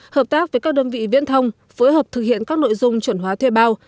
hợp tác với các đơn vị viễn thông phối hợp thực hiện các nội dung chuẩn hóa thuê bao